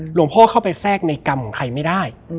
เข้าไปแทรกในกรรมของใครไม่ได้